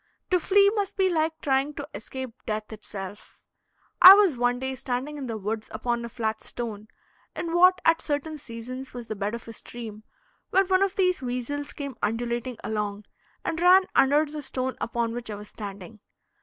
To flee must be like trying to escape death itself. I was one day standing in the woods upon a flat stone, in what at certain seasons was the bed of a stream, when one of these weasels came undulating along and ran under the stone upon which I was standing.